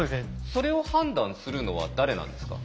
それを判断するのは誰なんですか？